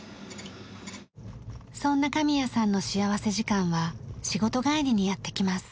そんな神矢さんの幸福時間は仕事帰りにやってきます。